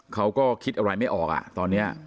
เขาก็คิดอะไรไม่ออกอ่ะตอนนี้